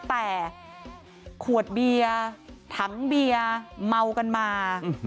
แต่ขวดเบียร์ถังเบียร์เมากันมา